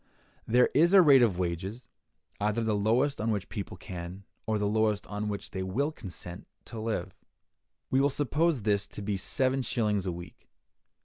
There is a rate of wages, either the lowest on which the people can, or the lowest on which they will consent, to live. We will suppose this to be seven shillings a week.